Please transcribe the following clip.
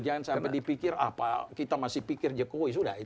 jangan sampai dipikir kita masih pikir jokowi